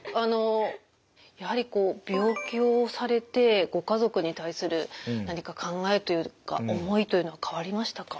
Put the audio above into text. やはりこう病気をされてご家族に対する何か考えというか思いというのは変わりましたか？